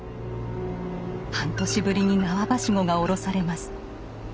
半年ぶりに縄梯子が下ろされます。